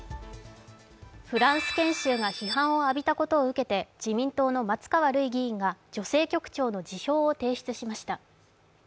フランス研修が批判をあびたことを受けて、自民党の松川るい議員が女性局長の辞表を提出しました。